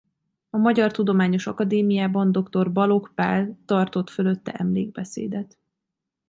A Magyar Tudományos Akadémiában dr. Balogh Pál tartott fölötte emlékbeszédet.